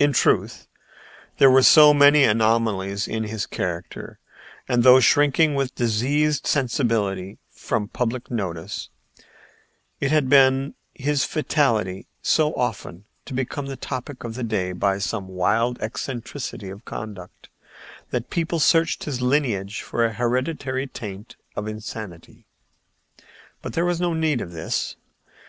In truth, there were so many anomalies in his character, and, though shrinking with diseased sensibility from public notice, it had been his fatality so often to become the topic of the day by some wild eccentricity of conduct, that people searched his lineage for a hereditary taint of insanity. But there was no need of this.